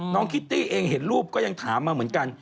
คิตตี้เองเห็นรูปก็ยังถามมาเหมือนกัน